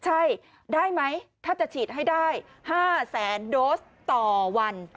ใช่ได้ไหมถ้าจะฉีดให้ได้๕แสนโดสต่อวัน